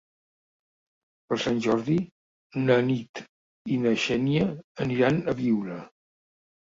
Per Sant Jordi na Nit i na Xènia aniran a Biure.